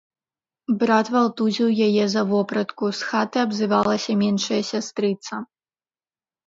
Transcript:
Брат валтузіў яе за вопратку, з хаты абзывалася меншая сястрыца.